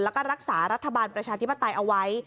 แล้วก็รักษารัฐบาลประชาธิปไตยเอาไว้